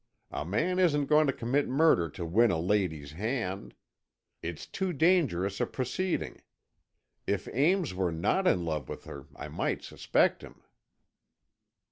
A man isn't going to commit murder to win a lady's hand. It's too dangerous a proceeding. If Ames were not in love with her, I might suspect him."